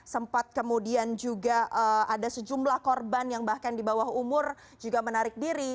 sempat kemudian juga ada sejumlah korban yang bahkan di bawah umur juga menarik diri